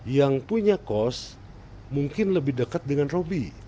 yang punya kos mungkin lebih dekat dengan roby